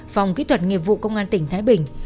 phòng kỹ thuật nghiệp vụ công an tỉnh thái bình